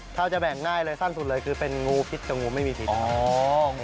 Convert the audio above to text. ถ้าจะแบ่งง่ายเลยสั้นสุดเลยคือเป็นงูพิษกับงูไม่มีพิษครับ